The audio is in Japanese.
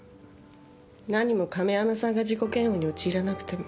何も亀山さんが自己嫌悪に陥らなくても。